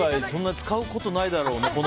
そんな使うことないだろうな